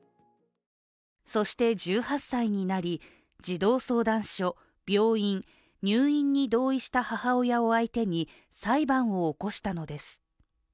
そして１８歳になり、児童相談所、病院、入院に同意した母親を相手に裁判を起こしたのです。